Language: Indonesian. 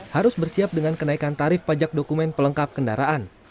harus bersiap dengan kenaikan tarif pajak dokumen pelengkap kendaraan